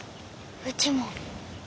うちも。